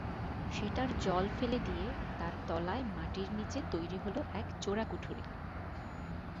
সেটার জল ফেলে দিয়ে তার তলায় মাটির নীচে তৈরি হল এক চোরাকুঠরি।